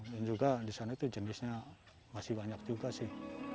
dan juga di sana itu jenisnya masih banyak juga sih